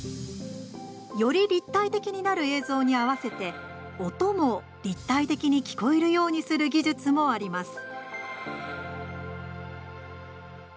より立体的になる映像に合わせて音も立体的に聞こえるようにする技術もあります。